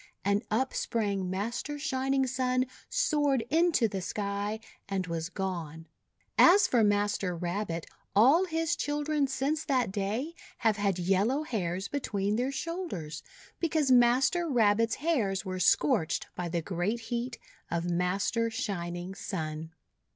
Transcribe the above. And up sprang Master Shining Sun, soared into the sky, and was gone. As for Master Rabbit, all his children since that day have had yellow hairs between their shoulders, because Master Rabbit's hairs were scorched by the great heat of Master Shining Sun.